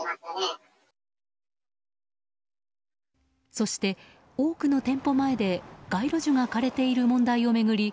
そして、多くの店舗前で街路樹が枯れている問題を巡り